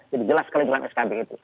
jadi jelas sekali dalam skb itu